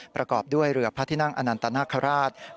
ประกอบด้วยเรือพระที่นั่งอนันตนาคาราช